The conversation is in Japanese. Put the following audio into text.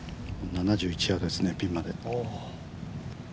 ７１ヤードですねピンまで。